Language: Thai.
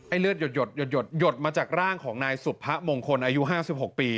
ไอ้เลือดหยดหยดหยดหยดหยดมาจากร่างของนายสุภะมงคลอายุห้าสิบหกปี